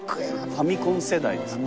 ファミコン世代ですよ。